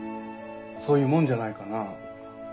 そういうもんじゃないかな？